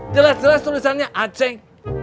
jelas jelas tulisannya acek